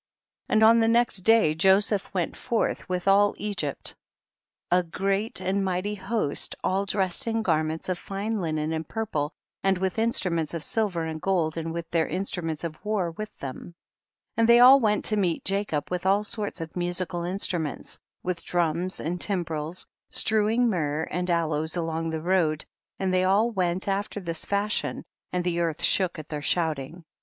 8. And on the next day Joseph went forth with all Egypt a great and mighty host, all dressed in garments of fine linen and purple and with in struments of silver and gold and with their instruments of war with them, 9. And they all went to meet Ja cob with all sorts of musical instru ments, with drums and timbrels^, strewing myrrh and aloes all along the road, and they all went after this fashion, and the earth shook at their shouting.